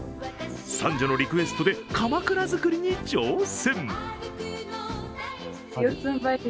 三女のリクエストでかまくら作りに挑戦。